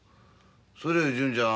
それより純ちゃん